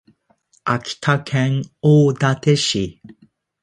秋田県大館市